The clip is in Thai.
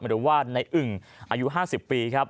หรือว่านายอึ่งอายุ๕๐ปี